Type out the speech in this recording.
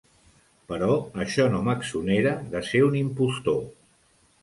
Però això no m'exonera de ser un impostor.